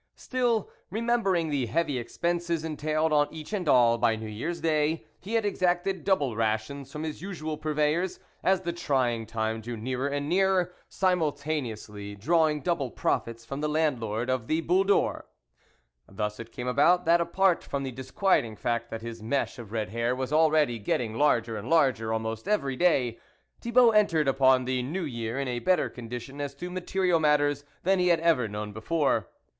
Still, remembering the heavy expenses entailed on each and all by New Year's Day, he had exacted double rations from his usual purveyor's, as the trying time drew nearer and nearer, simultane ously, drawing double profits from the landlord of the Boule d'Or. Thus it came about that, apart from the disquieting fact that his mesh of red hair was getting larger and larger almost every day, Thibault entered upon the New Year in a better condition as to material matters than he had ever known before.